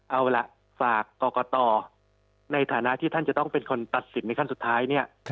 เอาล่ะฝากกรกตในฐานะที่ท่านจะต้องเป็นคนตัดสินในขั้นสุดท้ายเนี่ย